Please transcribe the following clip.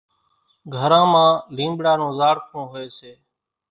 گھران مان لينٻڙا نون زاڙکون هوئيَ سي۔